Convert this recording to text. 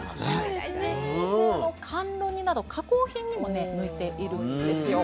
甘露煮など加工品にもね向いているんですよ。